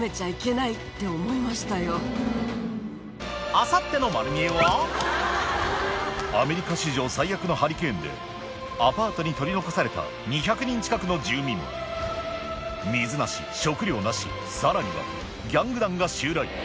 明後日の『まる見え！』はアメリカ史上最悪のハリケーンでアパートに取り残された２００人近くの住民水なし食料なしさらにはギャング団が襲来